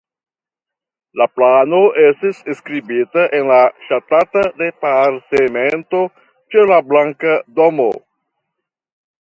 La plano estis skribita en la Ŝtata Departemento ĉe la Blanka Domo.